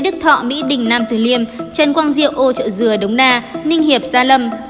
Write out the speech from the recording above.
lê đức thọ mỹ đình nam trường liêm trần quang diệu âu trợ dừa đống đa ninh hiệp gia lâm